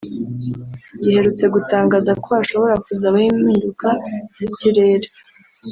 giherutse gutangaza ko hashobora kuzabaho impinduka z’ikirere